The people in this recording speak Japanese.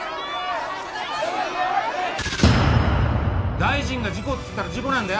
大臣が事故つったら事故なんだよ。